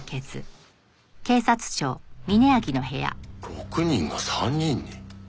６人が３人に？